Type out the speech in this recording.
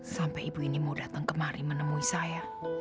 sampai ibu ini mau datang kemari menemui saya